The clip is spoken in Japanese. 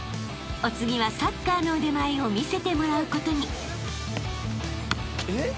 ［お次はサッカーの腕前を見せてもらうことに］えっ？